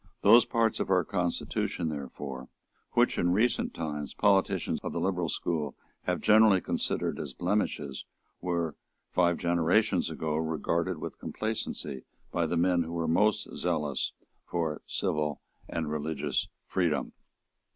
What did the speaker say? Those parts of our constitution therefore which, in recent times, politicians of the liberal school have generally considered as blemishes, were, five generations ago, regarded with complacency by the men who were most zealous for civil and religious freedom.